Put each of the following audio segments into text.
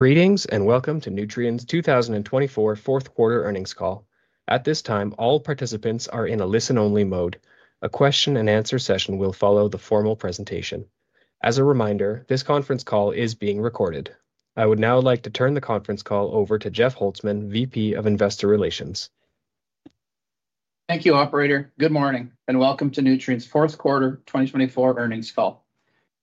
Greetings and welcome to Nutrien's 2024 Fourth Quarter Earnings Call. At this time, all participants are in a listen-only mode. A question-and-answer session will follow the formal presentation. As a reminder, this conference call is being recorded. I would now like to turn the conference call over to Jeff Holzman, VP of Investor Relations. Thank you, Operator. Good morning and welcome to Nutrien's Fourth Quarter 2024 Earnings Call.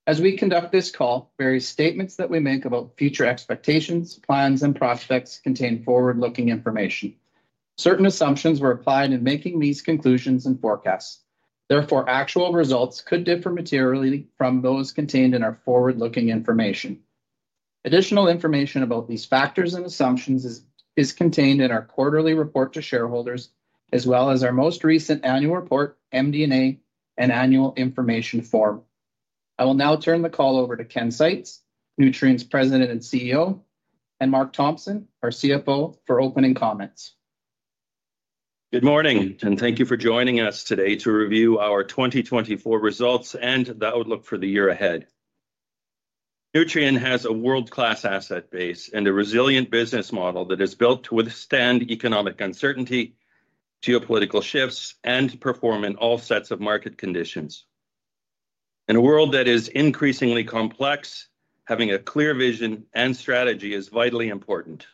As we conduct this call, various statements that we make about future expectations, plans, and prospects contain forward-looking information. Certain assumptions were applied in making these conclusions and forecasts. Therefore, actual results could differ materially from those contained in our forward-looking information. Additional information about these factors and assumptions is contained in our quarterly report to shareholders, as well as our most recent annual report, MD&A, and annual information form. I will now turn the call over to Ken Seitz, Nutrien's President and CEO, and Mark Thompson, our CFO, for opening comments. Good morning, and thank you for joining us today to review our 2024 results and the outlook for the year ahead. Nutrien has a world-class asset base and a resilient business model that is built to withstand economic uncertainty, geopolitical shifts, and perform in all sets of market conditions. In a world that is increasingly complex, having a clear vision and strategy is vitally important.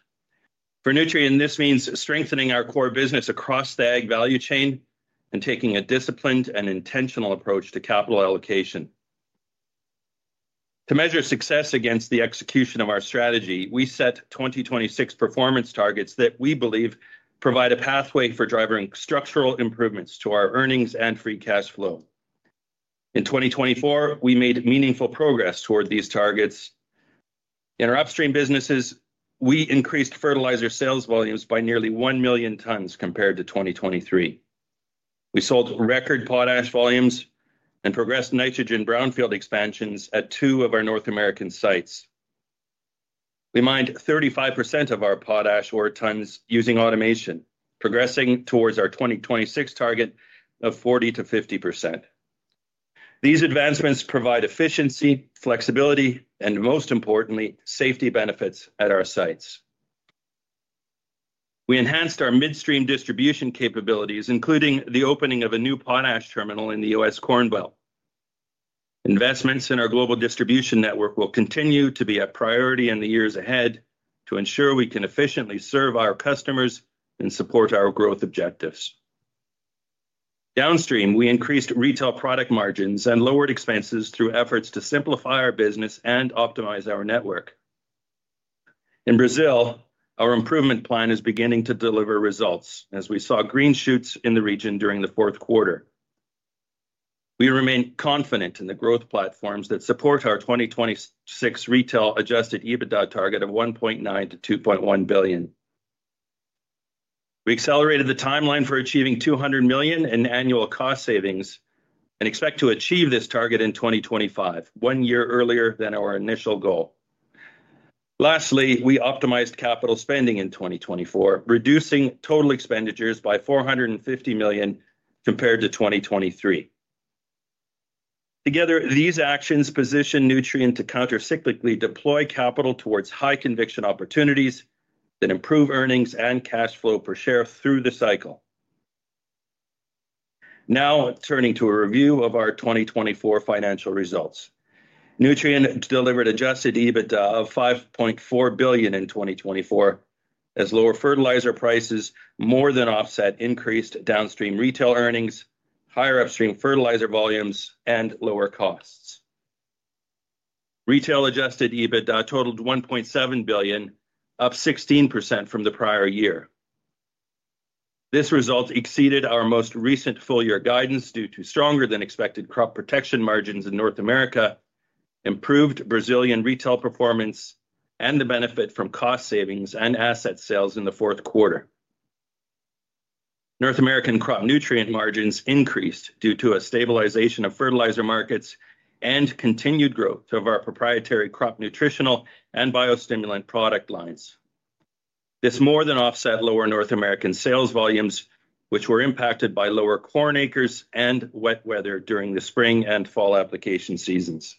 For Nutrien, this means strengthening our core business across the ag value chain and taking a disciplined and intentional approach to capital allocation. To measure success against the execution of our strategy, we set 2026 performance targets that we believe provide a pathway for driving structural improvements to our earnings and free cash flow. In 2024, we made meaningful progress toward these targets. In our upstream businesses, we increased fertilizer sales volumes by nearly one million tons compared to 2023. We sold record potash volumes and progressed nitrogen brownfield expansions at two of our North American sites. We mined 35% of our potash ore tons using automation, progressing towards our 2026 target of 40%-50%. These advancements provide efficiency, flexibility, and most importantly, safety benefits at our sites. We enhanced our midstream distribution capabilities, including the opening of a new potash terminal in the U.S. Corn Belt. Investments in our global distribution network will continue to be a priority in the years ahead to ensure we can efficiently serve our customers and support our growth objectives. Downstream, we increased retail product margins and lowered expenses through efforts to simplify our business and optimize our network. In Brazil, our improvement plan is beginning to deliver results, as we saw green shoots in the region during the fourth quarter. We remain confident in the growth platforms that support our 2026 Retail Adjusted EBITDA target of $1.9-$2.1 billion. We accelerated the timeline for achieving $200 million in annual cost savings and expect to achieve this target in 2025, one year earlier than our initial goal. Lastly, we optimized capital spending in 2024, reducing total expenditures by $450 million compared to 2023. Together, these actions position Nutrien to countercyclically deploy capital towards high conviction opportunities that improve earnings and cash flow per share through the cycle. Now turning to a review of our 2024 financial results, Nutrien delivered Adjusted EBITDA of $5.4 billion in 2024, as lower fertilizer prices more than offset increased downstream retail earnings, higher upstream fertilizer volumes, and lower costs. Retail Adjusted EBITDA totaled $1.7 billion, up 16% from the prior year. This result exceeded our most recent full-year guidance due to stronger-than-expected crop protection margins in North America, improved Brazilian retail performance, and the benefit from cost savings and asset sales in the fourth quarter. North American crop nutrient margins increased due to a stabilization of fertilizer markets and continued growth of our proprietary crop nutritional and biostimulant product lines. This more than offset lower North American sales volumes, which were impacted by lower corn acres and wet weather during the spring and fall application seasons.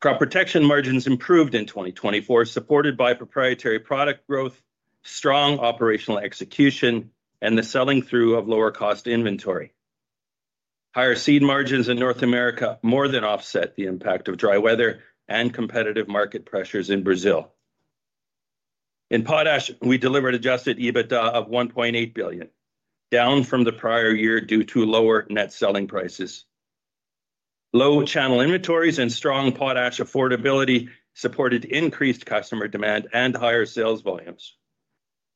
Crop protection margins improved in 2024, supported by proprietary product growth, strong operational execution, and the selling through of lower-cost inventory. Higher seed margins in North America more than offset the impact of dry weather and competitive market pressures in Brazil. In potash, we delivered Adjusted EBITDA of $1.8 billion, down from the prior year due to lower net selling prices. Low channel inventories and strong potash affordability supported increased customer demand and higher sales volumes.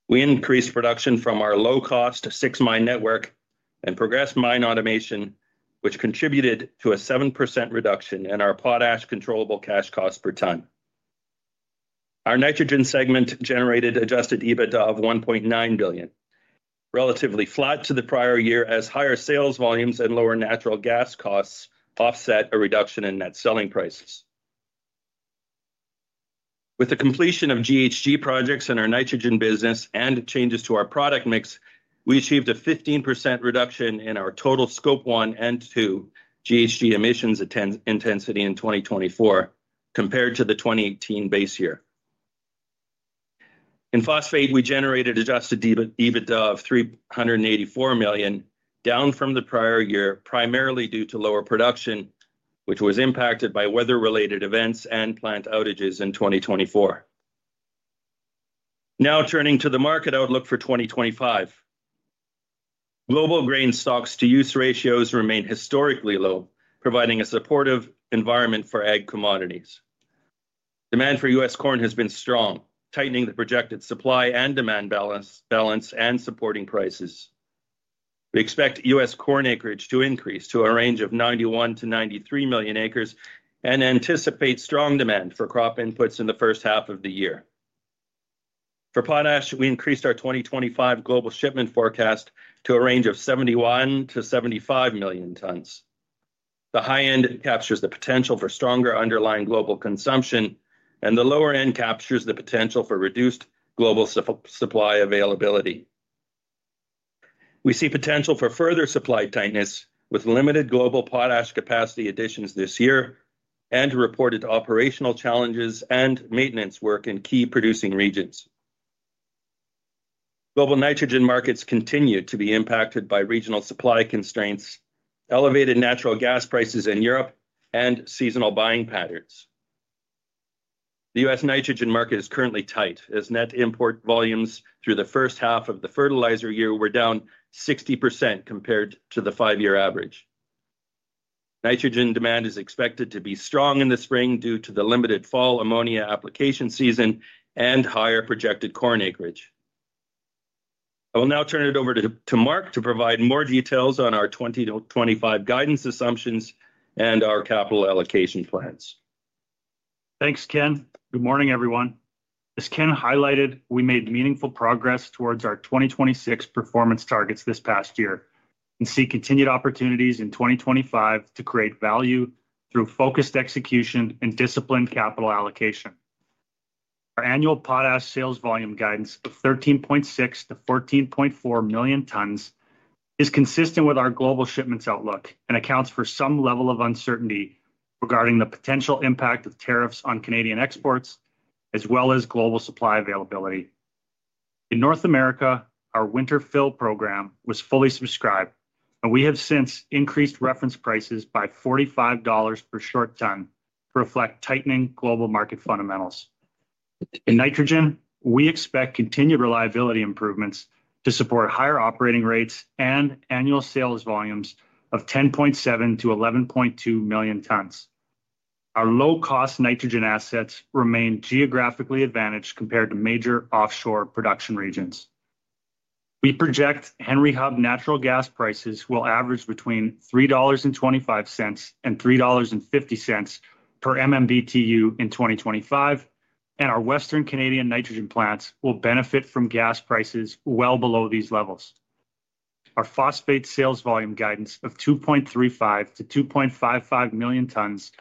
We increased production from our low-cost six-mine network and progressed mine automation, which contributed to a 7% reduction in our potash controllable cash cost per ton. Our nitrogen segment generated Adjusted EBITDA of $1.9 billion, relatively flat to the prior year, as higher sales volumes and lower natural gas costs offset a reduction in net selling prices. With the completion of GHG projects in our nitrogen business and changes to our product mix, we achieved a 15% reduction in our total Scope 1 and Scope 2 GHG emissions intensity in 2024, compared to the 2018 base year. In phosphate, we generated Adjusted EBITDA of $384 million, down from the prior year, primarily due to lower production, which was impacted by weather-related events and plant outages in 2024. Now turning to the market outlook for 2025, global grain stocks-to-use ratios remain historically low, providing a supportive environment for ag commodities. Demand for U.S. corn has been strong, tightening the projected supply and demand balance and supporting prices. We expect U.S. corn acreage to increase to a range of 91 to 93 million acres and anticipate strong demand for crop inputs in the first half of the year. For potash, we increased our 2025 global shipment forecast to a range of 71 to 75 million tons. The high end captures the potential for stronger underlying global consumption, and the lower end captures the potential for reduced global supply availability. We see potential for further supply tightness with limited global potash capacity additions this year and reported operational challenges and maintenance work in key producing regions. Global nitrogen markets continue to be impacted by regional supply constraints, elevated natural gas prices in Europe, and seasonal buying patterns. The U.S. nitrogen market is currently tight, as net import volumes through the first half of the fertilizer year were down 60% compared to the five-year average. Nitrogen demand is expected to be strong in the spring due to the limited fall ammonia application season and higher projected corn acreage. I will now turn it over to Mark to provide more details on our 2025 guidance assumptions and our capital allocation plans. Thanks, Ken. Good morning, everyone. As Ken highlighted, we made meaningful progress towards our 2026 performance targets this past year and see continued opportunities in 2025 to create value through focused execution and disciplined capital allocation. Our annual potash sales volume guidance of 13.6-14.4 million tons is consistent with our global shipments outlook and accounts for some level of uncertainty regarding the potential impact of tariffs on Canadian exports, as well as global supply availability. In North America, our winter fill program was fully subscribed, and we have since increased reference prices by $45 per short ton to reflect tightening global market fundamentals. In nitrogen, we expect continued reliability improvements to support higher operating rates and annual sales volumes of 10.7-11.2 million tons. Our low-cost nitrogen assets remain geographically advantaged compared to major offshore production regions. We project Henry Hub natural gas prices will average between $3.25 and $3.50 per MMBtu in 2025, and our Western Canadian nitrogen plants will benefit from gas prices well below these levels. Our phosphate sales volume guidance of 2.35-2.55 million tons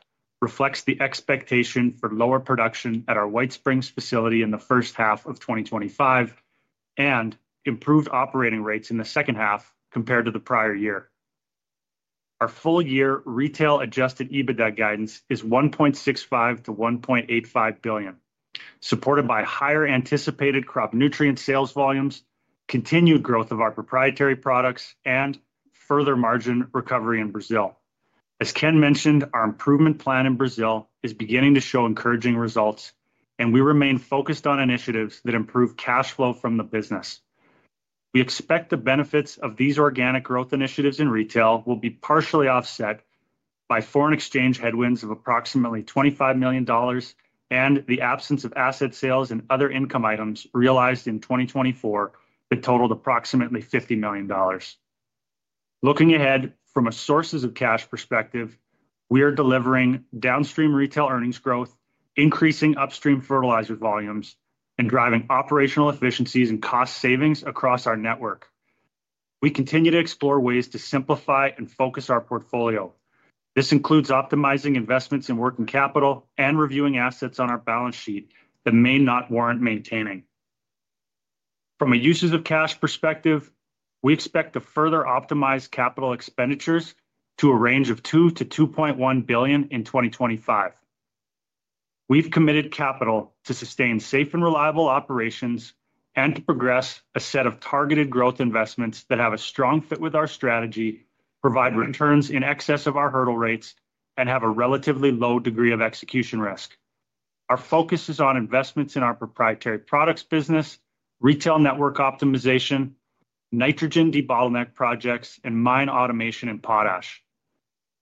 reflects the expectation for lower production at our White Springs facility in the first half of 2025 and improved operating rates in the second half compared to the prior year. Our full-year retail adjusted EBITDA guidance is $1.65-1.85 billion, supported by higher anticipated crop nutrient sales volumes, continued growth of our proprietary products, and further margin recovery in Brazil. As Ken mentioned, our improvement plan in Brazil is beginning to show encouraging results, and we remain focused on initiatives that improve cash flow from the business. We expect the benefits of these organic growth initiatives in retail will be partially offset by foreign exchange headwinds of approximately $25 million and the absence of asset sales and other income items realized in 2024 that totaled approximately $50 million. Looking ahead from a sources of cash perspective, we are delivering downstream retail earnings growth, increasing upstream fertilizer volumes, and driving operational efficiencies and cost savings across our network. We continue to explore ways to simplify and focus our portfolio. This includes optimizing investments in working capital and reviewing assets on our balance sheet that may not warrant maintaining. From a uses of cash perspective, we expect to further optimize capital expenditures to a range of $2-$2.1 billion in 2025. We've committed capital to sustain safe and reliable operations and to progress a set of targeted growth investments that have a strong fit with our strategy, provide returns in excess of our hurdle rates, and have a relatively low degree of execution risk. Our focus is on investments in our proprietary products business, retail network optimization, nitrogen de-bottleneck projects, and mine automation and potash.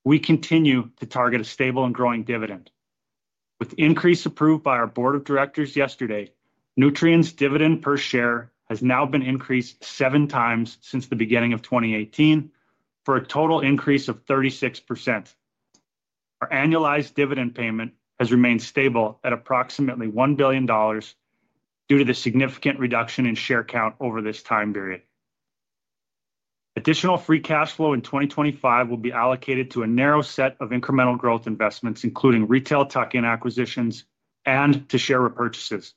We continue to target a stable and growing dividend. With increase approved by our board of directors yesterday, Nutrien's dividend per share has now been increased seven times since the beginning of 2018 for a total increase of 36%. Our annualized dividend payment has remained stable at approximately $1 billion due to the significant reduction in share count over this time period. Additional free cash flow in 2025 will be allocated to a narrow set of incremental growth investments, including retail tuck-in acquisitions and to share repurchases.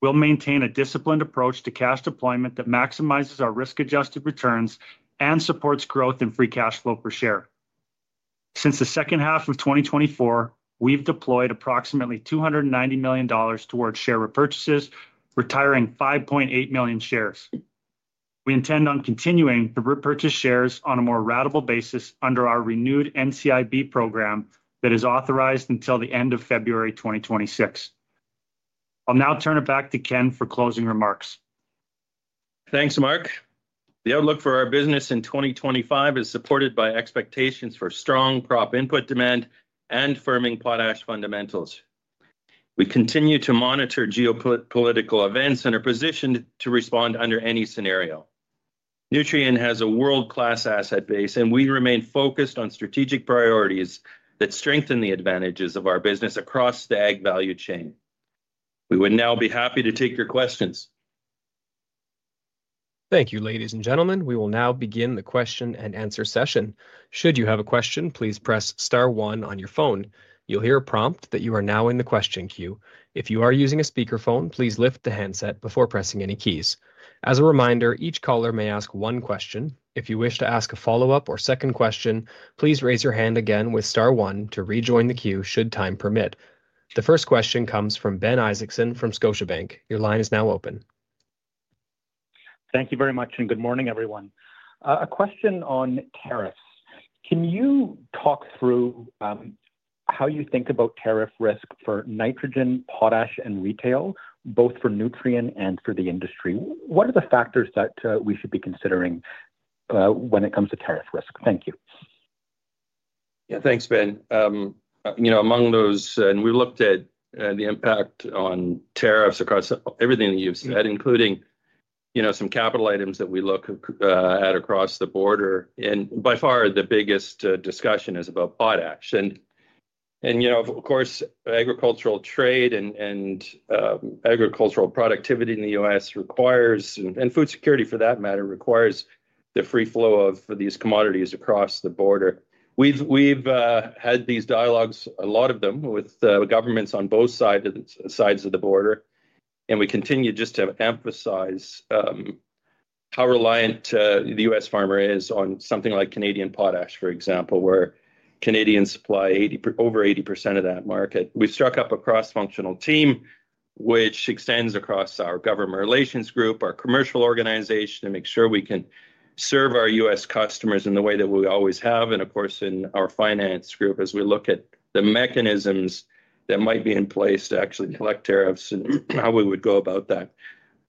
We'll maintain a disciplined approach to cash deployment that maximizes our risk-adjusted returns and supports growth in free cash flow per share. Since the second half of 2024, we've deployed approximately $290 million towards share repurchases, retiring 5.8 million shares. We intend on continuing to repurchase shares on a more ratable basis under our renewed NCIB program that is authorized until the end of February 2026. I'll now turn it back to Ken for closing remarks. Thanks, Mark. The outlook for our business in 2025 is supported by expectations for strong crop input demand and firming potash fundamentals. We continue to monitor geopolitical events and are positioned to respond under any scenario. Nutrien has a world-class asset base, and we remain focused on strategic priorities that strengthen the advantages of our business across the ag value chain. We would now be happy to take your questions. Thank you, ladies and gentlemen. We will now begin the question and answer session. Should you have a question, please press star one on your phone. You'll hear a prompt that you are now in the question queue. If you are using a speakerphone, please lift the handset before pressing any keys. As a reminder, each caller may ask one question. If you wish to ask a follow-up or second question, please raise your hand again with star one to rejoin the queue should time permit. The first question comes from Ben Isaacson from Scotiabank. Your line is now open. Thank you very much and good morning, everyone. A question on tariffs. Can you talk through how you think about tariff risk for nitrogen, potash, and retail, both for Nutrien and for the industry? What are the factors that we should be considering when it comes to tariff risk? Thank you. Yeah, thanks, Ben. You know, among those, and we've looked at the impact on tariffs across everything that you've said, including, you know, some capital items that we look at across the border. And by far, the biggest discussion is about potash. You know, of course, agricultural trade and agricultural productivity in the U.S. requires, and food security for that matter, requires the free flow of these commodities across the border. We've had these dialogues, a lot of them, with governments on both sides of the border. We continue just to emphasize how reliant the U.S. farmer is on something like Canadian potash, for example, where Canadians supply over 80% of that market. We've struck up a cross-functional team, which extends across our government relations group, our commercial organization, to make sure we can serve our U.S. customers in the way that we always have. Of course, in our finance group, as we look at the mechanisms that might be in place to actually collect tariffs and how we would go about that.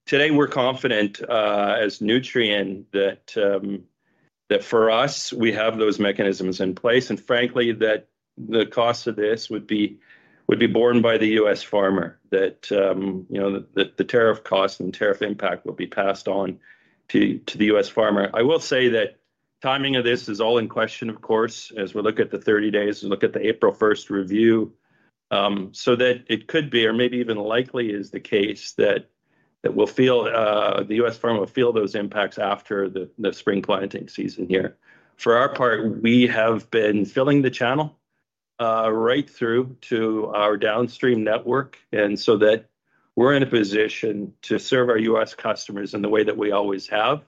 Today, we're confident as Nutrien that for us, we have those mechanisms in place. Frankly, that the cost of this would be borne by the U.S. farmer, that, you know, the tariff cost and tariff impact will be passed on to the U.S. farmer. I will say that timing of this is all in question, of course, as we look at the 30 days and look at the April 1st review. That it could be, or maybe even likely is the case that we'll feel the U.S. farmer will feel those impacts after the spring planting season here. For our part, we have been filling the channel right through to our downstream network, and so that we're in a position to serve our U.S. customers in the way that we always have.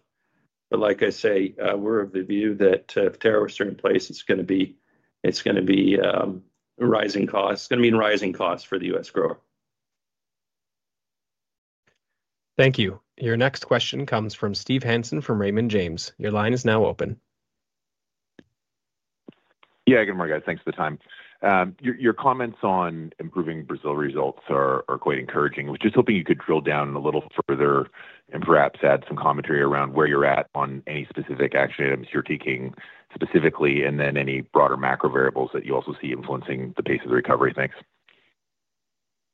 But like I say, we're of the view that if tariffs are in place, it's going to be rising costs. It's going to mean rising costs for the U.S. grower. Thank you. Your next question comes from Steve Hansen from Raymond James. Your line is now open. Yeah, good morning, guys. Thanks for the time. Your comments on improving Brazil results are quite encouraging. We're just hoping you could drill down a little further and perhaps add some commentary around where you're at on any specific action items you're taking specifically, and then any broader macro variables that you also see influencing the pace of the recovery. Thanks.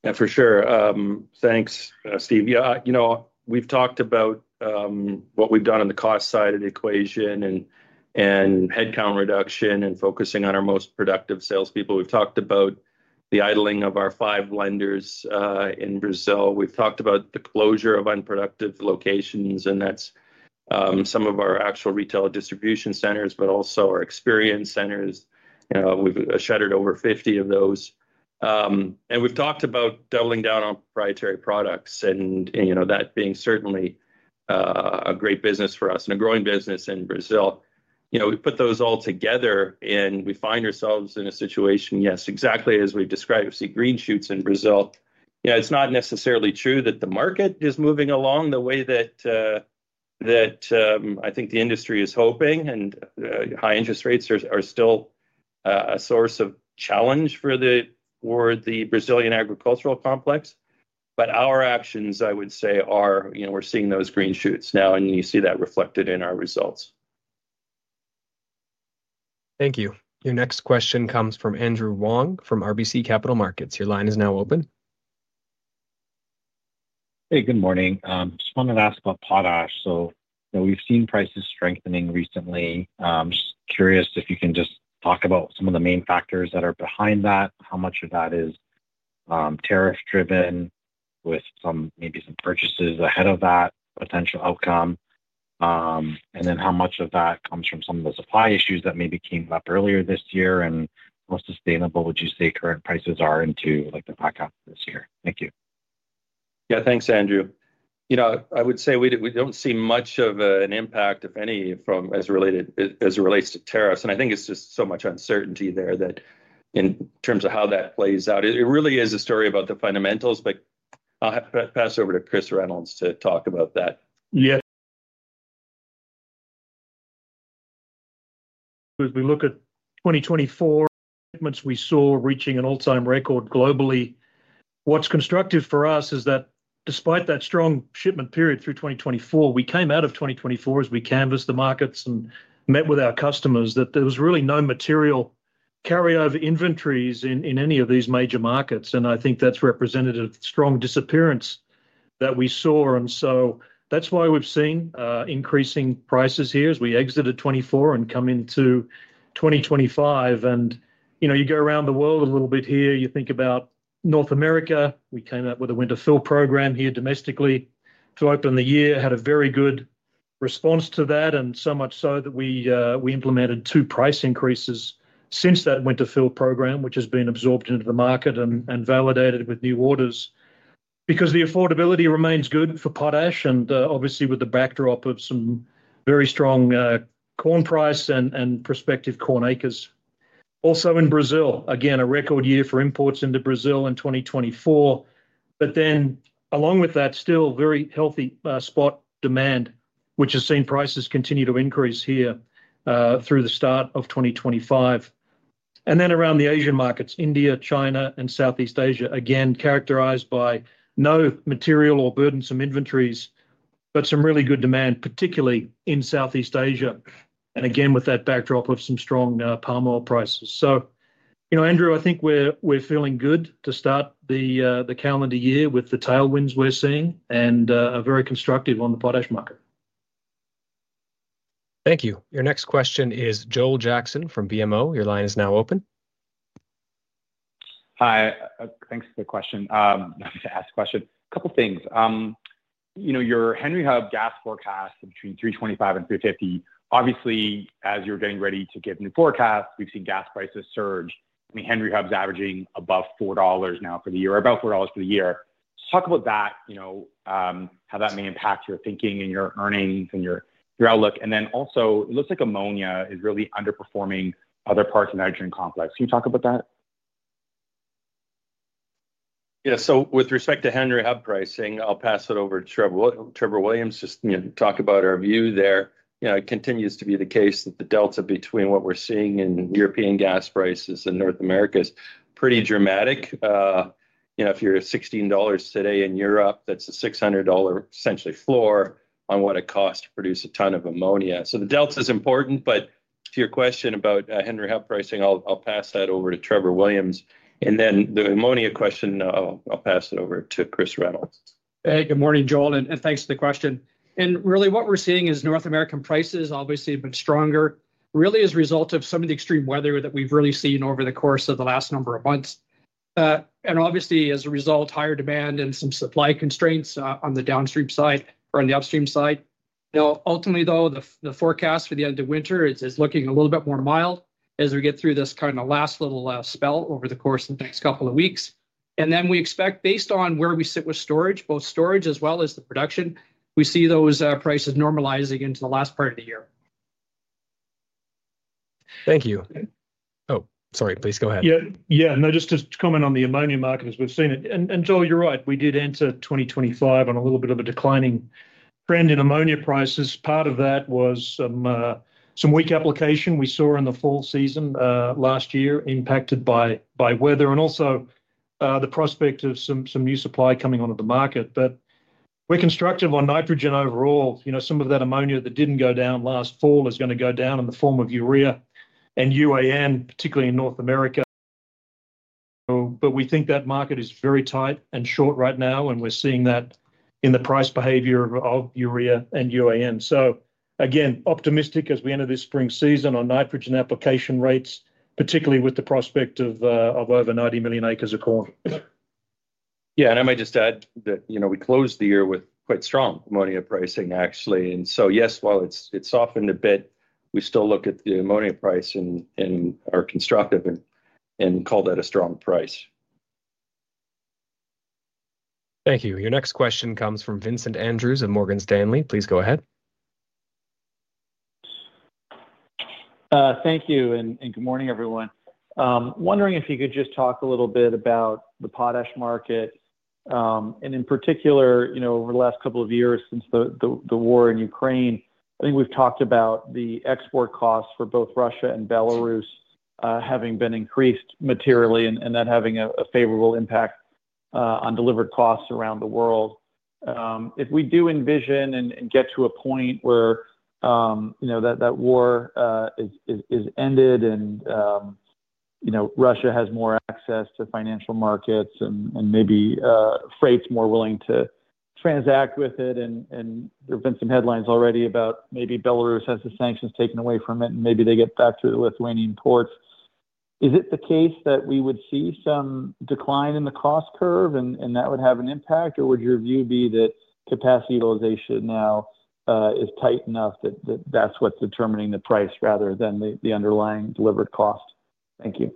Yeah, for sure. Thanks, Steve. Yeah, you know, we've talked about what we've done on the cost side of the equation and headcount reduction and focusing on our most productive salespeople. We've talked about the idling of our five blenders in Brazil. We've talked about the closure of unproductive locations, and that's some of our actual retail distribution centers, but also our experience centers. We've shuttered over 50 of those, and we've talked about doubling down on proprietary products and, you know, that being certainly a great business for us and a growing business in Brazil. You know, we put those all together and we find ourselves in a situation, yes, exactly as we've described. We see green shoots in Brazil. Yeah, it's not necessarily true that the market is moving along the way that I think the industry is hoping, and high interest rates are still a source of challenge for the Brazilian agricultural complex, but our actions, I would say, are, you know, we're seeing those green shoots now, and you see that reflected in our results. Thank you. Your next question comes from Andrew Wong from RBC Capital Markets. Your line is now open. Hey, good morning. Just wanted to ask about potash. So, you know, we've seen prices strengthening recently. Just curious if you can just talk about some of the main factors that are behind that, how much of that is tariff-driven with maybe some purchases ahead of that potential outcome, and then how much of that comes from some of the supply issues that maybe came up earlier this year and how sustainable would you say current prices are into like the back half this year? Thank you. Yeah, thanks, Andrew. You know, I would say we don't see much of an impact, if any, as it relates to tariffs. And I think it's just so much uncertainty there that in terms of how that plays out, it really is a story about the fundamentals, but I'll pass it over to Chris Reynolds to talk about that. Yeah. As we look at 2024, shipments we saw reaching an all-time record globally. What's constructive for us is that despite that strong shipment period through 2024, we came out of 2024 as we canvassed the markets and met with our customers, that there was really no material carryover inventories in any of these major markets. And I think that's represented a strong disappearance that we saw. And so that's why we've seen increasing prices here as we exited 2024 and come into 2025. And, you know, you go around the world a little bit here, you think about North America. We came up with a Winter fill program here domestically to open the year, had a very good response to that, and so much so that we implemented two price increases since that Winter fill program, which has been absorbed into the market and validated with new orders because the affordability remains good for potash and obviously with the backdrop of some very strong corn price and prospective corn acres. Also in Brazil, again, a record year for imports into Brazil in 2024, but then along with that, still very healthy spot demand, which has seen prices continue to increase here through the start of 2025. And then around the Asian markets, India, China, and Southeast Asia, again, characterized by no material or burdensome inventories, but some really good demand, particularly in Southeast Asia, and again, with that backdrop of some strong palm oil prices. So, you know, Andrew, I think we're feeling good to start the calendar year with the tailwinds we're seeing and are very constructive on the potash market. Thank you. Your next question is Joel Jackson from BMO. Your line is now open. Hi, thanks for the question. I'm going to ask a question. A couple of things. You know, your Henry Hub gas forecast between 325 and 350. Obviously, as you're getting ready to give new forecasts, we've seen gas prices surge. I mean, Henry Hub's averaging above $4 now for the year, or about $4 for the year. Let's talk about that, you know, how that may impact your thinking and your earnings and your outlook. And then also, it looks like ammonia is really underperforming other parts of the nitrogen complex. Can you talk about that? Yeah, so with respect to Henry Hub pricing, I'll pass it over to Trevor Williams just to talk about our view there. You know, it continues to be the case that the delta between what we're seeing in European gas prices and North America is pretty dramatic. You know, if you're at $16 today in Europe, that's a $600 essentially floor on what it costs to produce a ton of ammonia. So the delta is important, but to your question about Henry Hub pricing, I'll pass that over to Trevor Williams. And then the ammonia question, I'll pass it over to Chris Reynolds. Hey, good morning, Joel, and thanks for the question, and really what we're seeing is North American prices obviously have been stronger, really as a result of some of the extreme weather that we've really seen over the course of the last number of months, and obviously, as a result, higher demand and some supply constraints on the downstream side or on the upstream side. Now, ultimately, though, the forecast for the end of winter is looking a little bit more mild as we get through this kind of last little spell over the course of the next couple of weeks, and then we expect, based on where we sit with storage, both storage as well as the production, we see those prices normalizing into the last part of the year. Thank you. Oh, sorry, please go ahead. Yeah, yeah, no, just to comment on the ammonia market as we've seen it. And Joel, you're right. We did enter 2025 on a little bit of a declining trend in ammonia prices. Part of that was some weak application we saw in the fall season last year impacted by weather and also the prospect of some new supply coming onto the market. But we're constructive on nitrogen overall. You know, some of that ammonia that didn't go down last fall is going to go down in the form of urea and UAN, particularly in North America. But we think that market is very tight and short right now, and we're seeing that in the price behavior of urea and UAN. So again, optimistic as we enter this spring season on nitrogen application rates, particularly with the prospect of over 90 million acres of corn. Yeah, and I might just add that, you know, we closed the year with quite strong ammonia pricing, actually. And so yes, while it's softened a bit, we still look at the ammonia price and are constructive and call that a strong price. Thank you. Your next question comes from Vincent Andrews of Morgan Stanley. Please go ahead. Thank you and good morning, everyone. Wondering if you could just talk a little bit about the potash market, and in particular, you know, over the last couple of years since the war in Ukraine, I think we've talked about the export costs for both Russia and Belarus having been increased materially and that having a favorable impact on delivered costs around the world. If we do envision and get to a point where, you know, that war is ended and, you know, Russia has more access to financial markets and maybe freight's more willing to transact with it, and there have been some headlines already about maybe Belarus has the sanctions taken away from it and maybe they get back through the Lithuanian ports. Is it the case that we would see some decline in the cost curve and that would have an impact, or would your view be that capacity utilization now is tight enough that that's what's determining the price rather than the underlying delivered cost? Thank you.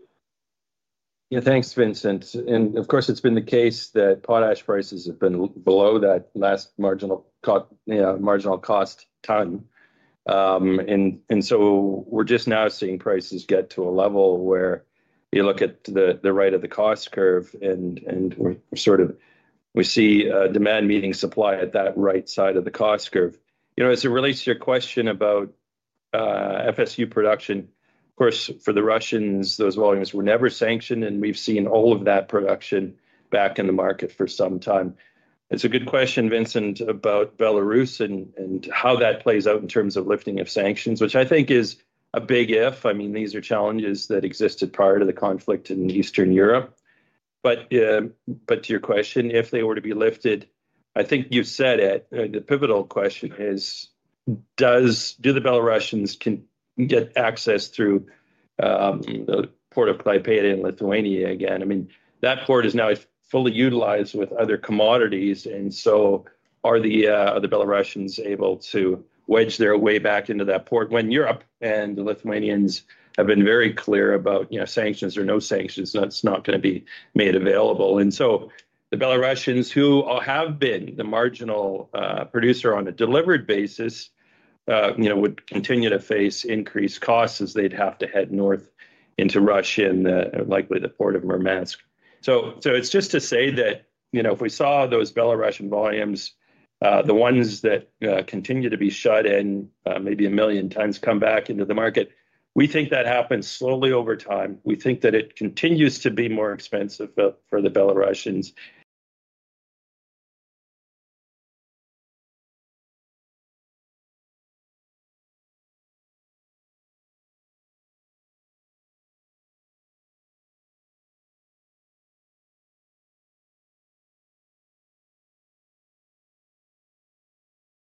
Yeah, thanks, Vincent. And of course, it's been the case that potash prices have been below that last marginal cost ton. And so we're just now seeing prices get to a level where you look at the right of the cost curve and we're sort of, we see demand meeting supply at that right side of the cost curve. You know, as it relates to your question about FSU production, of course, for the Russians, those volumes were never sanctioned, and we've seen all of that production back in the market for some time. It's a good question, Vincent, about Belarus and how that plays out in terms of lifting of sanctions, which I think is a big if. I mean, these are challenges that existed prior to the conflict in Eastern Europe. But to your question, if they were to be lifted, I think you've said it. The pivotal question is, do the Belarusians get access through the Port of Klaipėda in Lithuania again? I mean, that port is now fully utilized with other commodities, and so are the Belarusians able to wedge their way back into that port when Europe and the Lithuanians have been very clear about, you know, sanctions or no sanctions, that's not going to be made available. And so the Belarusians who have been the marginal producer on a delivered basis, you know, would continue to face increased costs as they'd have to head north into Russia and likely the Port of Murmansk. So it's just to say that, you know, if we saw those Belarusian volumes, the ones that continue to be shut in maybe a million times come back into the market, we think that happens slowly over time. We think that it continues to be more expensive for the Belarusians.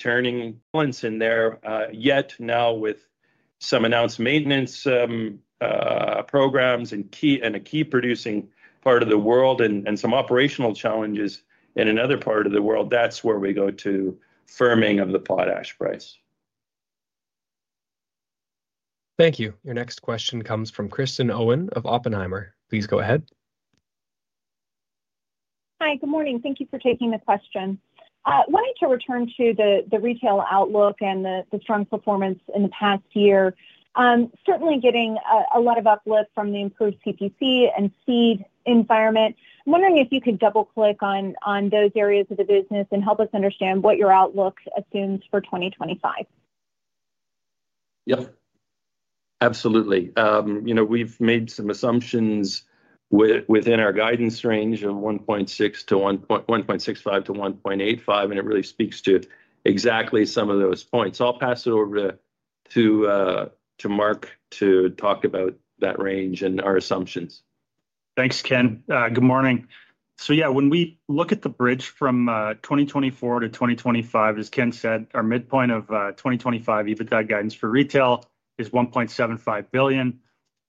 Turning points in there, yet now with some announced maintenance programs and a key producing part of the world and some operational challenges in another part of the world, that's where we go to firming of the potash price. Thank you. Your next question comes from Kristen Owen of Oppenheimer. Please go ahead. Hi, good morning. Thank you for taking the question. Wanting to return to the retail outlook and the strong performance in the past year, certainly getting a lot of uplift from the improved CPC and seed environment. I'm wondering if you could double-click on those areas of the business and help us understand what your outlook assumes for 2025. Yep, absolutely. You know, we've made some assumptions within our guidance range of 1.6 to 1.65 to 1.85, and it really speaks to exactly some of those points, so I'll pass it over to Mark to talk about that range and our assumptions. Thanks, Ken. Good morning. So yeah, when we look at the bridge from 2024 to 2025, as Ken said, our midpoint of 2025, even that guidance for retail is $1.75 billion.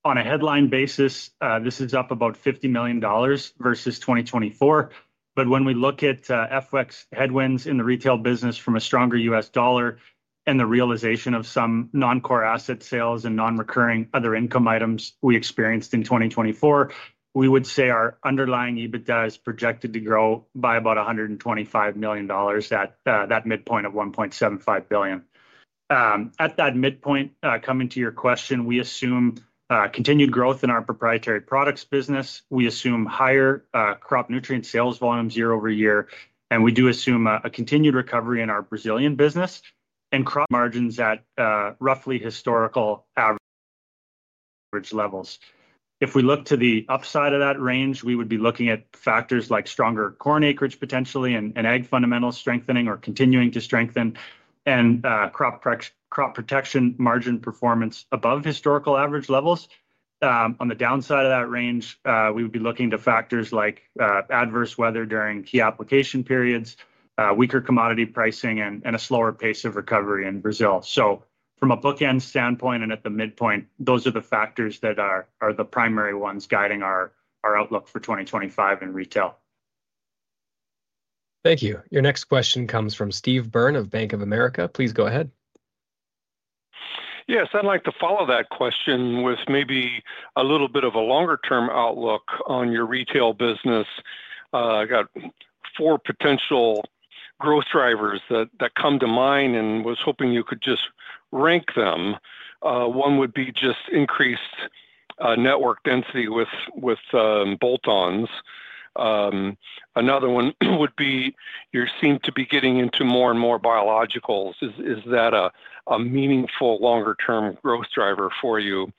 On a headline basis, this is up about $50 million versus 2024. But when we look at FX headwinds in the retail business from a stronger U.S. dollar and the realization of some non-core asset sales and non-recurring other income items we experienced in 2024, we would say our underlying EBITDA is projected to grow by about $125 million at that midpoint of $1.75 billion. At that midpoint, coming to your question, we assume continued growth in our proprietary products business. We assume higher crop nutrient sales volumes year over year, and we do assume a continued recovery in our Brazilian business and crop margins at roughly historical average levels. If we look to the upside of that range, we would be looking at factors like stronger corn acreage potentially and ag fundamental strengthening or continuing to strengthen and crop protection margin performance above historical average levels. On the downside of that range, we would be looking to factors like adverse weather during key application periods, weaker commodity pricing, and a slower pace of recovery in Brazil. So from a bookend standpoint and at the midpoint, those are the factors that are the primary ones guiding our outlook for 2025 in retail. Thank you. Your next question comes from Steve Byrne of Bank of America. Please go ahead. Yeah, so I'd like to follow that question with maybe a little bit of a longer-term outlook on your retail business. I got four potential growth drivers that come to mind and was hoping you could just rank them. One would be just increased network density with bolt-ons. Another one would be you seem to be getting into more and more biologicals. Is that a meaningful longer-term growth driver for you?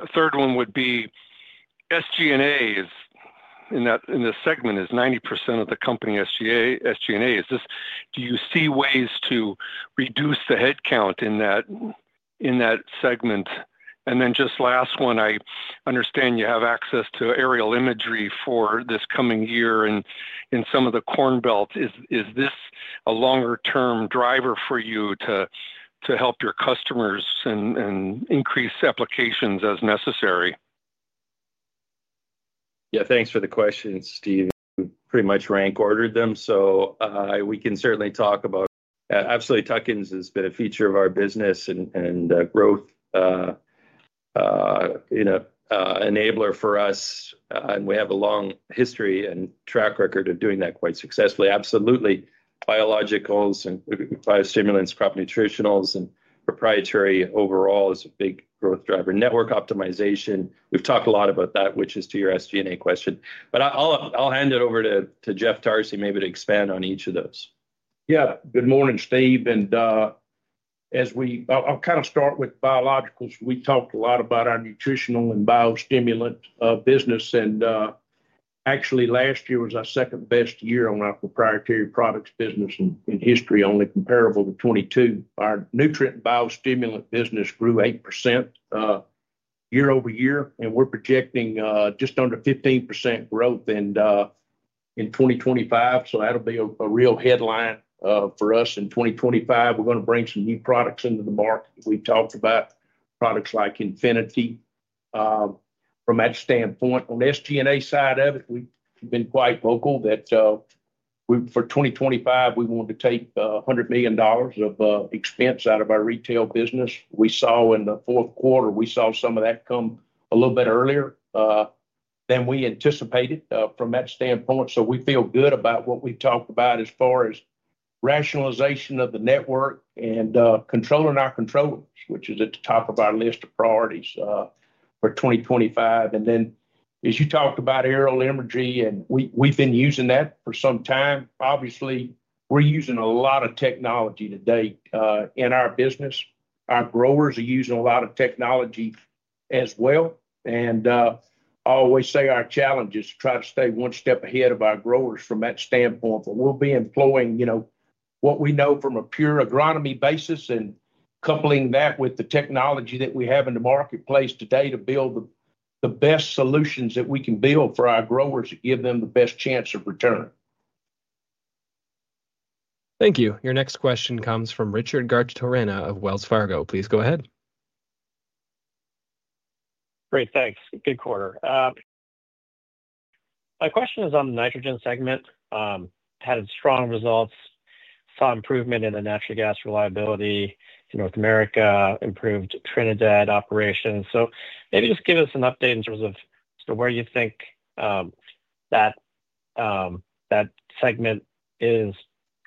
A third one would be SG&A in this segment is 90% of the company SG&A. Do you see ways to reduce the headcount in that segment? And then just last one, I understand you have access to aerial imagery for this coming year in some of the Corn Belt. Is this a longer-term driver for you to help your customers and increase applications as necessary? Yeah, thanks for the question, Steve. Pretty much rank-ordered them. So we can certainly talk about. Absolutely. Tuck-ins has been a feature of our business and growth enabler for us, and we have a long history and track record of doing that quite successfully. Absolutely. Biologicals and biostimulants, crop nutritionals and proprietary overall is a big growth driver. Network optimization, we've talked a lot about that, which is to your SG&A question. But I'll hand it over to Jeff Tarsi, maybe to expand on each of those. Yeah, good morning, Steve. And as we, I'll kind of start with biologicals. We talked a lot about our nutritional and biostimulant business. And actually, last year was our second best year on our proprietary products business in history, only comparable to 2022. Our nutrient biostimulant business grew 8% year over year, and we're projecting just under 15% growth in 2025. So that'll be a real headline for us in 2025. We're going to bring some new products into the market. We've talked about products like Infinity from that standpoint. On the SG&A side of it, we've been quite vocal that for 2025, we want to take $100 million of expense out of our retail business. We saw in the fourth quarter some of that come a little bit earlier than we anticipated from that standpoint. We feel good about what we've talked about as far as rationalization of the network and controlling our controllables, which is at the top of our list of priorities for 2025. Then as you talked about aerial imagery, and we've been using that for some time. Obviously, we're using a lot of technology today in our business. Our growers are using a lot of technology as well. I always say our challenge is to try to stay one step ahead of our growers from that standpoint. We'll be employing, you know, what we know from a pure agronomy basis and coupling that with the technology that we have in the marketplace today to build the best solutions that we can build for our growers to give them the best chance of return. Thank you. Your next question comes from Richard Garchitorena of Wells Fargo. Please go ahead. Great, thanks. Good quarter. My question is on the nitrogen segment. Had strong results, saw improvement in the natural gas reliability in North America, improved Trinidad operations. So maybe just give us an update in terms of where you think that segment is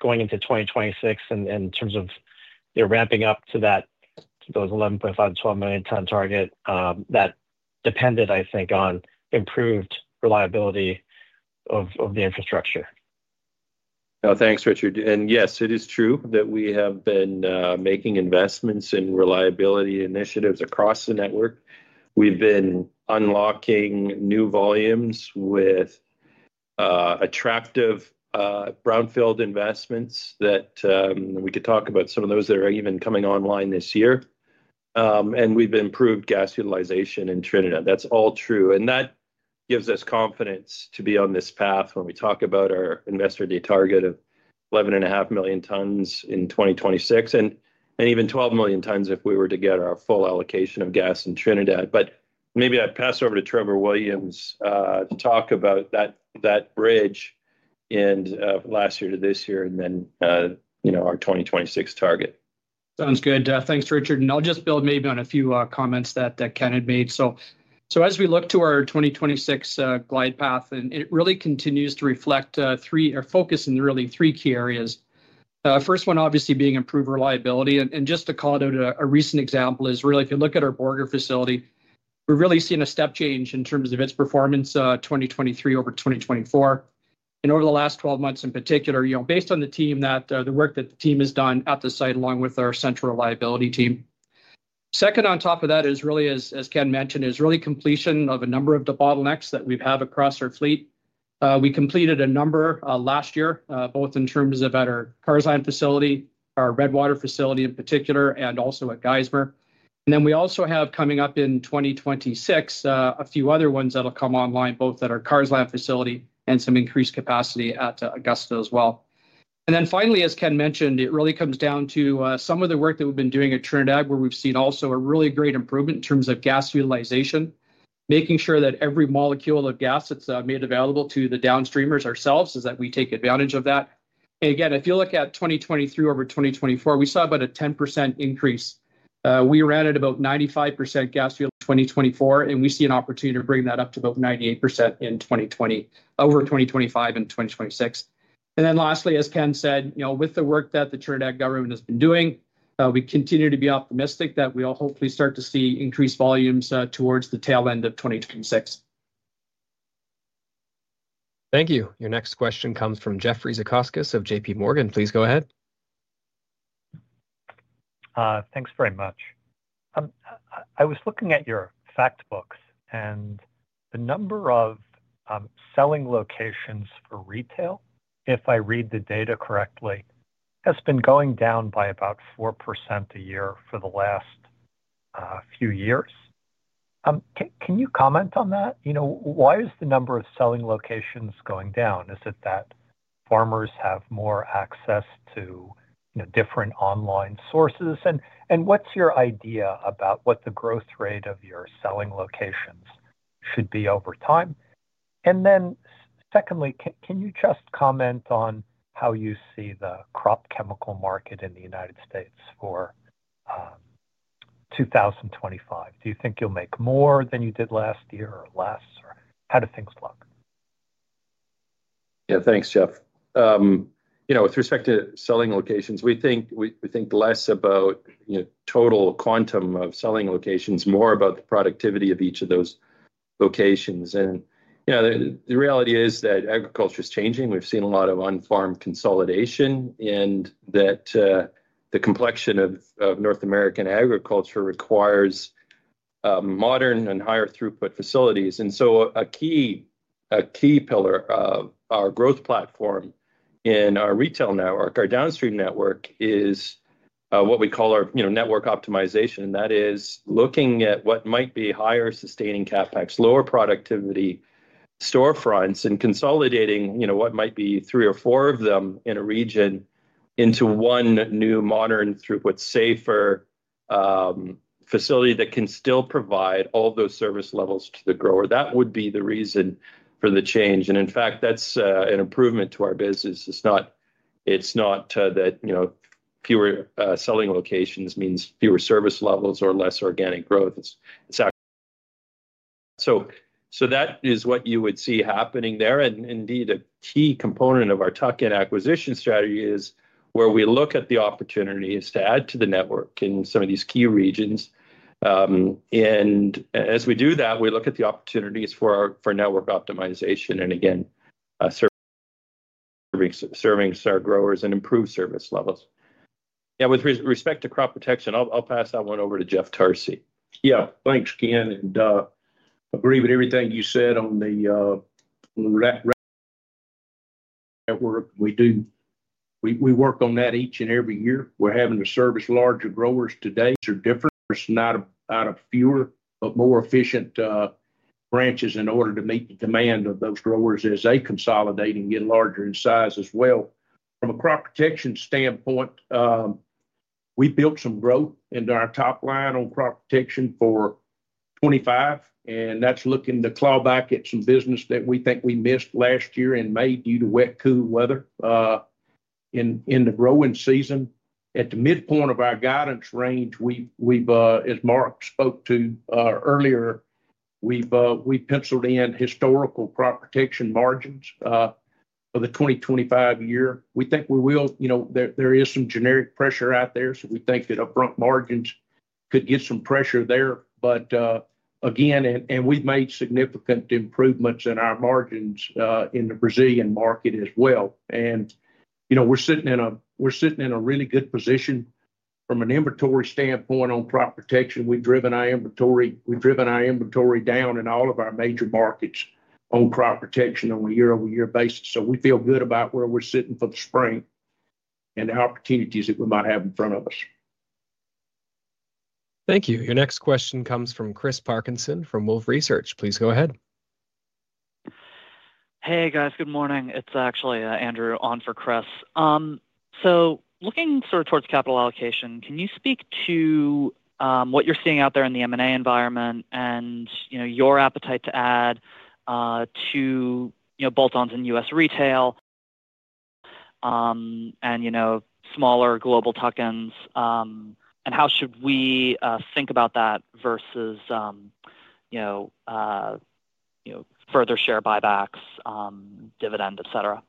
going into 2026 in terms of your ramping up to those 11.5-12 million ton target that depended, I think, on improved reliability of the infrastructure. Thanks, Richard. And yes, it is true that we have been making investments in reliability initiatives across the network. We've been unlocking new volumes with attractive brownfield investments that we could talk about some of those that are even coming online this year. And we've improved gas utilization in Trinidad. That's all true. And that gives us confidence to be on this path when we talk about our investor-day target of 11.5 million tons in 2026 and even 12 million tons if we were to get our full allocation of gas in Trinidad. But maybe I'd pass over to Trevor Williams to talk about that bridge and last year to this year and then our 2026 target. Sounds good. Thanks, Richard. And I'll just build maybe on a few comments that Ken had made. So as we look to our 2026 glide path, it really continues to reflect or focus in really three key areas. First one, obviously, being improved reliability. And just to call it out, a recent example is really if you look at our Borger facility, we're really seeing a step change in terms of its performance 2023 over 2024. And over the last 12 months in particular, you know, based on the team, the work that the team has done at the site along with our central reliability team. Second, on top of that is really, as Ken mentioned, is really completion of a number of the bottlenecks that we've had across our fleet. We completed a number last year, both in terms of at our Carseland facility, our Redwater facility in particular, and also at Geismar, and then we also have coming up in 2026 a few other ones that will come online, both at our Carseland facility and some increased capacity at Augusta as well, and then finally, as Ken mentioned, it really comes down to some of the work that we've been doing at Trinidad, where we've seen also a really great improvement in terms of gas utilization, making sure that every molecule of gas that's made available to the downstreamers ourselves is that we take advantage of that, and again, if you look at 2023 over 2024, we saw about a 10% increase. We were at about 95% gas fuel in 2024, and we see an opportunity to bring that up to about 98% in 2020, over 2025 and 2026. And then lastly, as Ken said, you know, with the work that the Trinidad government has been doing, we continue to be optimistic that we'll hopefully start to see increased volumes towards the tail end of 2026. Thank you. Your next question comes from Jeffrey Zekauskas of JP Morgan. Please go ahead. Thanks very much. I was looking at your fact books, and the number of selling locations for retail, if I read the data correctly, has been going down by about 4% a year for the last few years. Can you comment on that? You know, why is the number of selling locations going down? Is it that farmers have more access to different online sources? And what's your idea about what the growth rate of your selling locations should be over time? And then secondly, can you just comment on how you see the crop chemical market in the United States for 2025? Do you think you'll make more than you did last year or less? Or how do things look? Yeah, thanks, Jeff. You know, with respect to selling locations, we think less about total quantum of selling locations, more about the productivity of each of those locations. And you know, the reality is that agriculture is changing. We've seen a lot of farm consolidation and that the complexion of North American agriculture requires modern and higher throughput facilities. And so a key pillar of our growth platform in our retail network, our downstream network, is what we call our network optimization. That is looking at what might be higher sustaining CapEx, lower productivity storefronts, and consolidating what might be three or four of them in a region into one new modern, higher throughput safer facility that can still provide all those service levels to the grower. That would be the reason for the change. And in fact, that's an improvement to our business. It's not that fewer selling locations means fewer service levels or less organic growth. So that is what you would see happening there. And indeed, a key component of our tuck-in acquisition strategy is where we look at the opportunities to add to the network in some of these key regions. And as we do that, we look at the opportunities for network optimization and again, serving our growers and improved service levels. Yeah, with respect to crop protection, I'll pass that one over to Jeff Tarsi. Yeah, thanks, Ken. And agree with everything you said on the network. We work on that each and every year. We're having to service larger growers today through different out of fewer, but more efficient branches in order to meet the demand of those growers as they consolidate and get larger in size as well. From a crop protection standpoint, we built some growth into our top line on crop protection for 2025, and that's looking to claw back at some business that we think we missed last year in May due to wet, cool weather in the growing season. At the midpoint of our guidance range, as Mark spoke to earlier, we penciled in historical crop protection margins for the 2025 year. We think we will, you know, there is some generic pressure out there, so we think that upfront margins could get some pressure there. But again, and we've made significant improvements in our margins in the Brazilian market as well. And you know, we're sitting in a really good position from an inventory standpoint on crop protection. We've driven our inventory down in all of our major markets on crop protection on a year-over-year basis. So we feel good about where we're sitting for the spring and the opportunities that we might have in front of us. Thank you. Your next question comes from Chris Parkinson from Wolfe Research. Please go ahead. Hey, guys. Good morning. It's actually Andrew on for Chris. So looking sort of towards capital allocation, can you speak to what you're seeing out there in the M&A environment and your appetite to add to bolt-ons in U.S. retail and smaller global tuck-ins? And how should we think about that versus further share buybacks, dividend, etc.?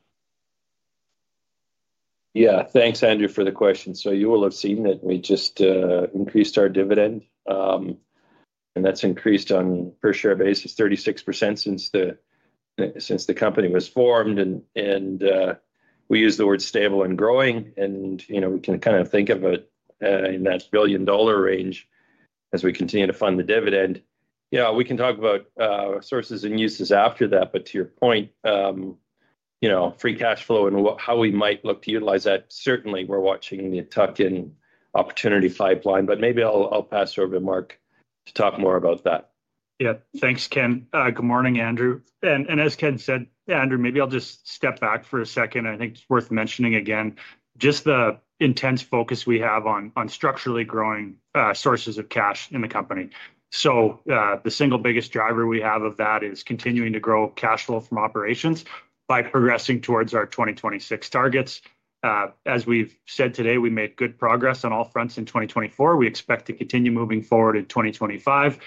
Yeah, thanks, Andrew, for the question. So you will have seen that we just increased our dividend, and that's increased on a per-share basis, 36% since the company was formed. And we use the word stable and growing, and we can kind of think of it in that billion-dollar range as we continue to fund the dividend. Yeah, we can talk about sources and uses after that, but to your point, free cash flow and how we might look to utilize that, certainly we're watching the tuck-in opportunity pipeline, but maybe I'll pass over to Mark to talk more about that. Yeah, thanks, Ken. Good morning, Andrew. And as Ken said, Andrew, maybe I'll just step back for a second. I think it's worth mentioning again just the intense focus we have on structurally growing sources of cash in the company. So the single biggest driver we have of that is continuing to grow cash flow from operations by progressing towards our 2026 targets. As we've said today, we made good progress on all fronts in 2024. We expect to continue moving forward in 2025.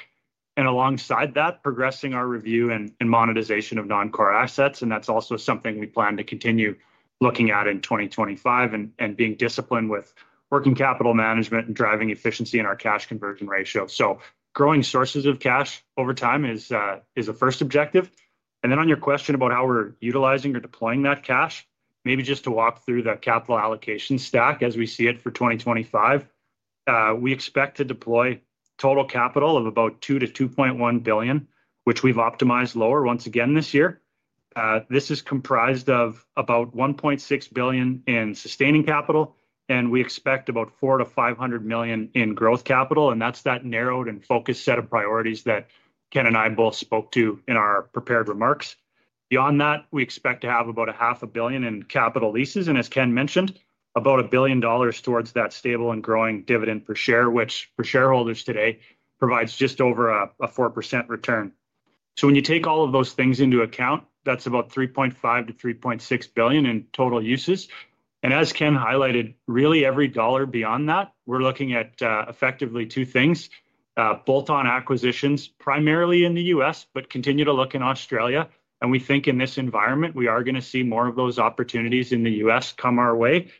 And alongside that, progressing our review and monetization of non-core assets. And that's also something we plan to continue looking at in 2025 and being disciplined with working capital management and driving efficiency in our cash conversion ratio. So growing sources of cash over time is the first objective. On your question about how we're utilizing or deploying that cash, maybe just to walk through the capital allocation stack as we see it for 2025, we expect to deploy total capital of about $2-$2.1 billion, which we've optimized lower once again this year. This is comprised of about $1.6 billion in sustaining capital, and we expect about $400-$500 million in growth capital. That's the narrowed and focused set of priorities that Ken and I both spoke to in our prepared remarks. Beyond that, we expect to have about $500 million in capital leases. As Ken mentioned, about $1 billion towards that stable and growing dividend per share, which for shareholders today provides just over a 4% return. When you take all of those things into account, that's about $3.5-$3.6 billion in total uses. As Ken highlighted, really every dollar beyond that, we're looking at effectively two things: bolt-on acquisitions primarily in the U.S., but continue to look in Australia. We think in this environment, we are going to see more of those opportunities in the U.S. come our way,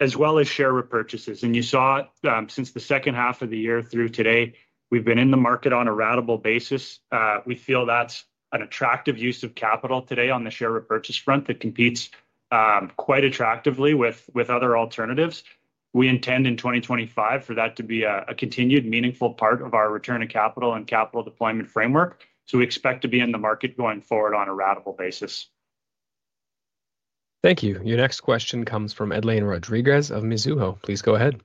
as well as share repurchases. You saw since the second half of the year through today, we've been in the market on a ratable basis. We feel that's an attractive use of capital today on the share repurchase front that competes quite attractively with other alternatives. We intend in 2025 for that to be a continued meaningful part of our return to capital and capital deployment framework. We expect to be in the market going forward on a ratable basis. Thank you. Your next question comes from Edlain Rodriguez of Mizuho. Please go ahead.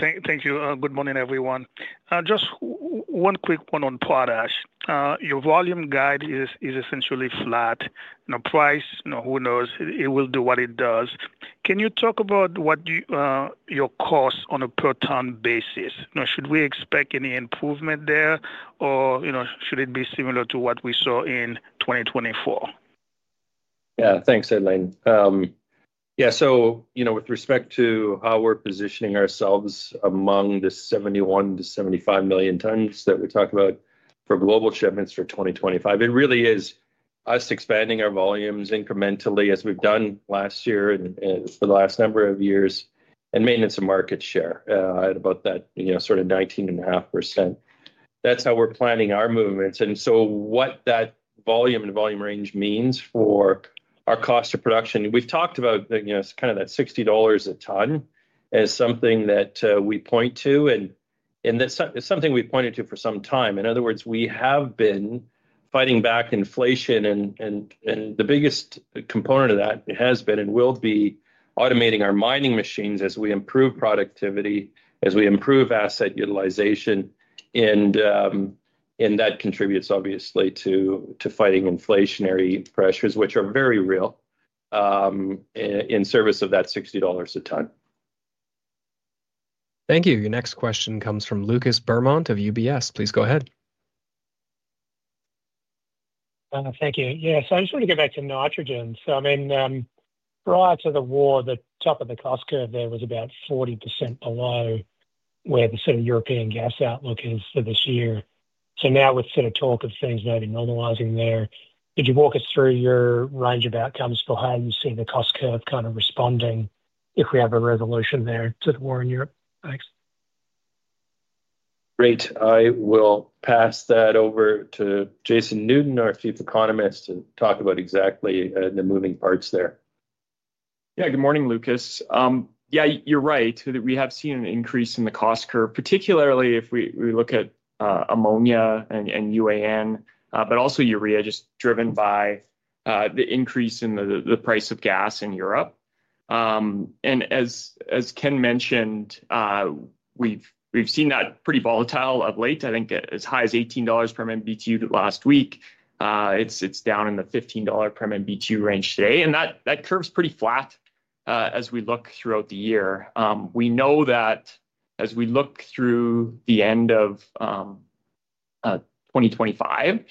Thank you. Good morning, everyone. Just one quick one on potash. Your volume guide is essentially flat. No price, no who knows, it will do what it does. Can you talk about what your cost on a per ton basis? Should we expect any improvement there, or should it be similar to what we saw in 2024? Yeah, thanks, Edlain. Yeah, so with respect to how we're positioning ourselves among the 71-75 million tons that we talk about for global shipments for 2025, it really is us expanding our volumes incrementally as we've done last year and for the last number of years and maintenance of market share at about that sort of 19.5%. That's how we're planning our movements. And so what that volume and volume range means for our cost of production, we've talked about kind of that $60 a ton as something that we point to, and it's something we've pointed to for some time. In other words, we have been fighting back inflation, and the biggest component of that has been and will be automating our mining machines as we improve productivity, as we improve asset utilization. That contributes, obviously, to fighting inflationary pressures, which are very real in service of that $60 a ton. Thank you. Your next question comes from Lucas Beaumont of UBS. Please go ahead. Thank you. Yeah, so I just want to go back to nitrogen. So I mean, prior to the war, the top of the cost curve there was about 40% below where the sort of European gas outlook is for this year. So now with sort of talk of things maybe normalizing there, could you walk us through your range of outcomes for how you see the cost curve kind of responding if we have a resolution there to the war in Europe? Thanks. Great. I will pass that over to Jason Newton, our Chief Economist, to talk about exactly the moving parts there. Yeah, good morning, Lucas. Yeah, you're right that we have seen an increase in the cost curve, particularly if we look at ammonia and UAN, but also urea just driven by the increase in the price of gas in Europe, and as Ken mentioned, we've seen that pretty volatile of late. I think as high as $18 per MMBtu last week, it's down in the $15 per MMBtu range today, and that curve's pretty flat as we look throughout the year. We know that as we look through the end of 2025,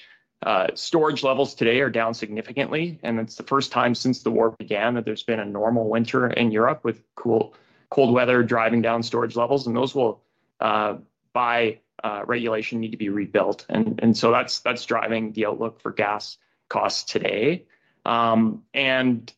storage levels today are down significantly, and it's the first time since the war began that there's been a normal winter in Europe with cold weather driving down storage levels, and those will, by regulation, need to be rebuilt, and so that's driving the outlook for gas costs today. And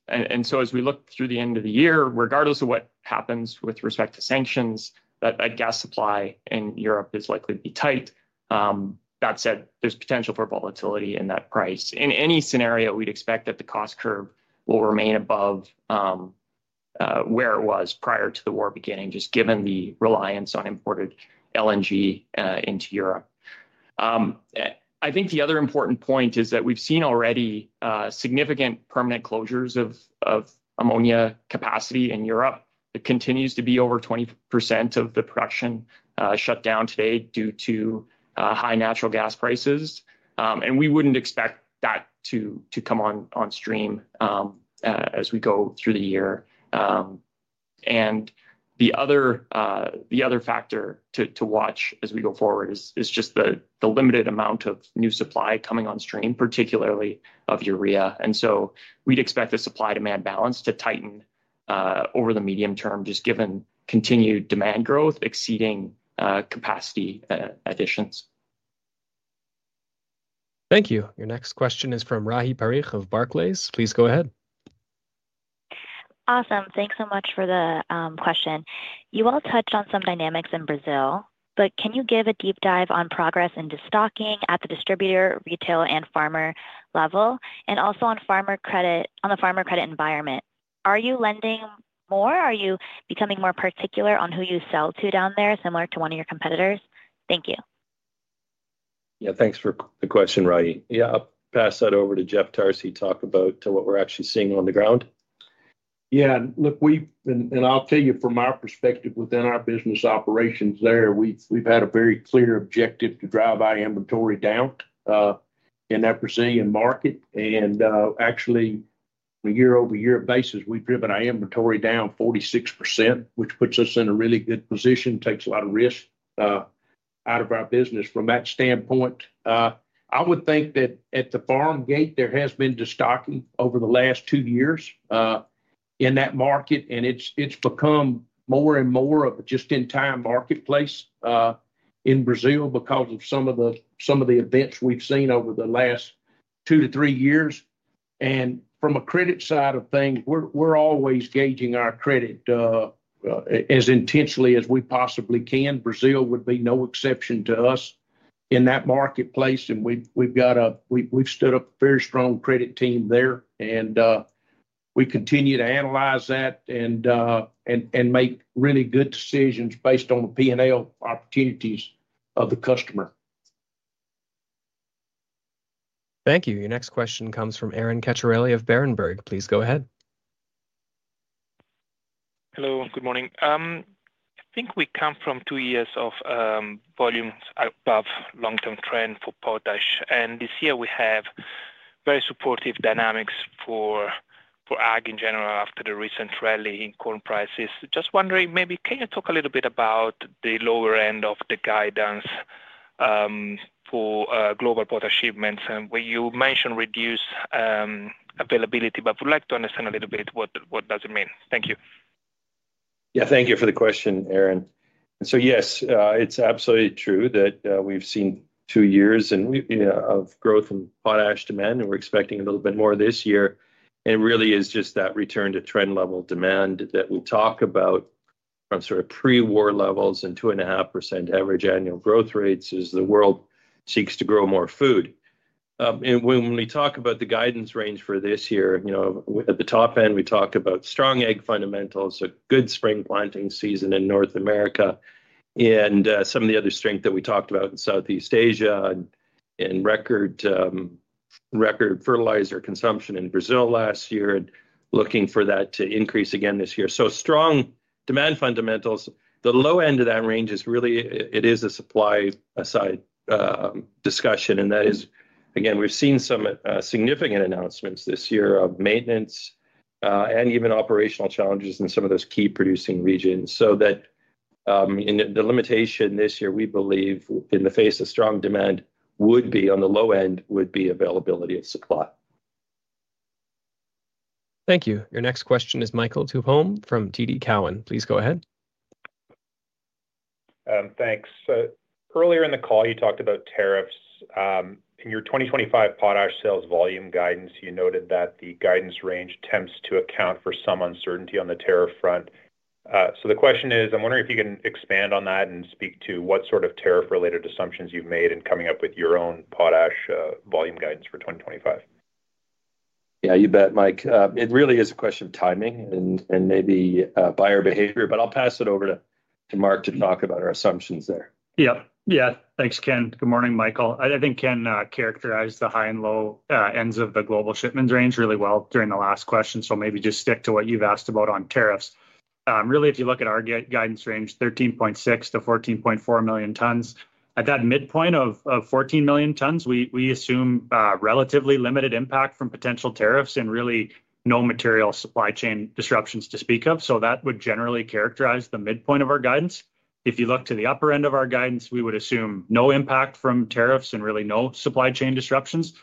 so as we look through the end of the year, regardless of what happens with respect to sanctions, that gas supply in Europe is likely to be tight. That said, there's potential for volatility in that price. In any scenario, we'd expect that the cost curve will remain above where it was prior to the war beginning, just given the reliance on imported LNG into Europe. I think the other important point is that we've seen already significant permanent closures of ammonia capacity in Europe. It continues to be over 20% of the production shut down today due to high natural gas prices. And we wouldn't expect that to come on stream as we go through the year. And the other factor to watch as we go forward is just the limited amount of new supply coming on stream, particularly of urea. We'd expect a supply-demand balance to tighten over the medium term, just given continued demand growth exceeding capacity additions. Thank you. Your next question is from Rahi Parikh of Barclays. Please go ahead. Awesome. Thanks so much for the question. You all touched on some dynamics in Brazil, but can you give a deep dive on progress into stocking at the distributor, retail, and farmer level, and also on the farmer credit environment? Are you lending more? Are you becoming more particular on who you sell to down there, similar to one of your competitors? Thank you. Yeah, thanks for the question, Rahi. Yeah, I'll pass that over to Jeff Tarsi to talk about what we're actually seeing on the ground. Yeah, look, and I'll tell you from our perspective within our business operations there, we've had a very clear objective to drive our inventory down in that Brazilian market. And actually, on a year-over-year basis, we've driven our inventory down 46%, which puts us in a really good position. It takes a lot of risk out of our business from that standpoint. I would think that at the farm gate, there has been destocking over the last two years in that market, and it's become more and more of a just-in-time marketplace in Brazil because of some of the events we've seen over the last two to three years. And from a credit side of things, we're always gauging our credit as intensely as we possibly can. Brazil would be no exception to us in that marketplace. We've stood up a very strong credit team there, and we continue to analyze that and make really good decisions based on the P&L opportunities of the customer. Thank you. Your next question comes from Aron Ceccarelli of Berenberg. Please go ahead. Hello, good morning. I think we come from two years of volumes above long-term trend for potash, and this year, we have very supportive dynamics for ag in general after the recent rally in corn prices. Just wondering, maybe can you talk a little bit about the lower end of the guidance for global potash shipments, and you mentioned reduced availability, but I would like to understand a little bit what does it mean? Thank you. Yeah, thank you for the question, Aron. So yes, it's absolutely true that we've seen two years of growth in potash demand, and we're expecting a little bit more this year. It really is just that return to trend-level demand that we talk about from sort of pre-war levels and 2.5% average annual growth rates as the world seeks to grow more food. When we talk about the guidance range for this year, at the top end, we talk about strong ag fundamentals, a good spring planting season in North America, and some of the other strength that we talked about in Southeast Asia and record fertilizer consumption in Brazil last year, and looking for that to increase again this year. Strong demand fundamentals. The low end of that range is really a supply-side discussion. And that is, again, we've seen some significant announcements this year of maintenance and even operational challenges in some of those key producing regions. So that the limitation this year, we believe, in the face of strong demand, would be on the low end, would be availability of supply. Thank you. Your next question is Michael Tupholme from TD Cowen. Please go ahead. Thanks. Earlier in the call, you talked about tariffs. In your 2025 potash sales volume guidance, you noted that the guidance range attempts to account for some uncertainty on the tariff front. So the question is, I'm wondering if you can expand on that and speak to what sort of tariff-related assumptions you've made in coming up with your own potash volume guidance for 2025. Yeah, you bet, Mike. It really is a question of timing and maybe buyer behavior, but I'll pass it over to Mark to talk about our assumptions there. Yeah, yeah. Thanks, Ken. Good morning, Michael. I think Ken characterized the high and low ends of the global shipments range really well during the last question. So maybe just stick to what you've asked about on tariffs. Really, if you look at our guidance range, 13.6-14.4 million tons, at that midpoint of 14 million tons, we assume relatively limited impact from potential tariffs and really no material supply chain disruptions to speak of. So that would generally characterize the midpoint of our guidance. If you look to the upper end of our guidance, we would assume no impact from tariffs and really no supply chain disruptions.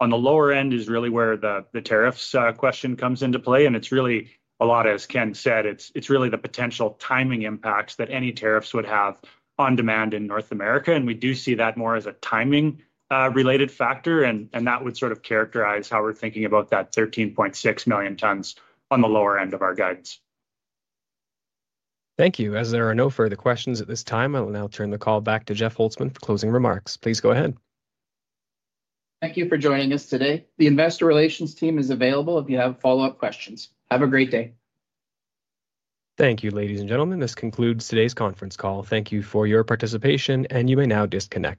On the lower end is really where the tariffs question comes into play, and it's really a lot, as Ken said, it's really the potential timing impacts that any tariffs would have on demand in North America. We do see that more as a timing-related factor. That would sort of characterize how we're thinking about that 13.6 million tons on the lower end of our guidance. Thank you. As there are no further questions at this time, I will now turn the call back to Jeff Holzman for closing remarks. Please go ahead. Thank you for joining us today. The investor relations team is available if you have follow-up questions. Have a great day. Thank you, ladies and gentlemen. This concludes today's conference call. Thank you for your participation, and you may now disconnect.